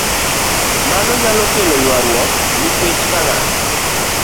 Mano nyalo kelo ywaruok nikech ka ng'at